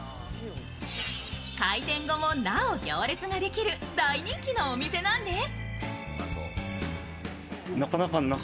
開店後もなお行列ができる大人気のお店なんです。